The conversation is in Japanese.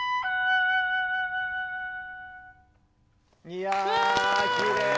いやあきれい。